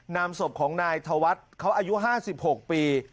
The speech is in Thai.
นามศพของนายเถาวัดเขาอายุ๕๖ปี